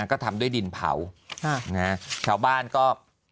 ก็ทำด้วยดินเผานะฮะครับขวาบ้านก็